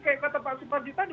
kayak kata pak supardi tadi